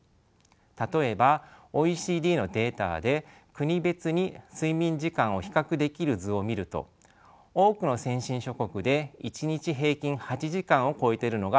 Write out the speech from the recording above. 例えばＯＥＣＤのデータで国別に睡眠時間を比較できる図を見ると多くの先進諸国で１日平均８時間を超えているのが分かります。